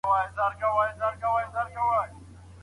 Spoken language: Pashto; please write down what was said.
د لاس لیکنه د ټکنالوژۍ تر اغیز لاندې نه راځي.